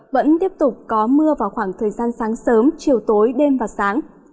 vẫn tiếp tục có mưa vào khoảng thời gian sáng sớm chiều tối đêm và sáng